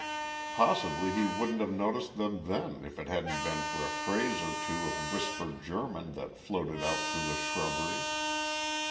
Possibly he wouldn't have noticed them then if it hadn't been for a phrase or two of whispered German that floated out through the shrubbery.